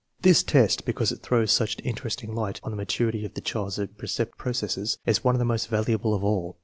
This test, because it throws such interesting light on the maturity of the child's apperceptive processes, is one of the most valuable of all.